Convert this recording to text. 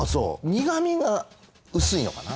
苦みが薄いのかな